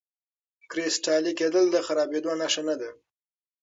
کرسټالي کېدل د خرابېدو نښه نه ده.